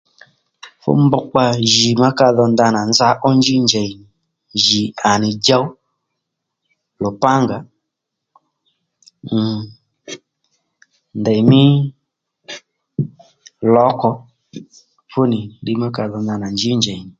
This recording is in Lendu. Fú mbrukpa jì ma ka dho ndanà nza ó njí njèy nì jì à nì djow, lupángà, mm ndèymí lǒkò fú nì ddiy má ka dho ndanà njí njèynì